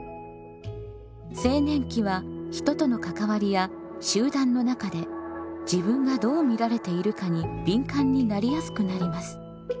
青年期は人との関わりや集団の中で自分がどう見られているかに敏感になりやすくなります。